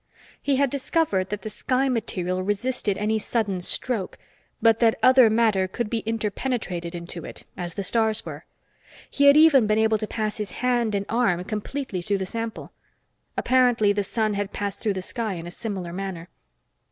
He had discovered that the sky material resisted any sudden stroke, but that other matter could be interpenetrated into it, as the stars were. He had even been able to pass his hand and arm completely through the sample. Apparently the sun had passed through the sky in a similar manner.